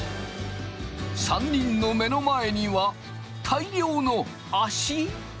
３人の目の前には大量の足！？